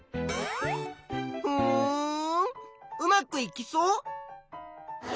ふんうまくいきそう？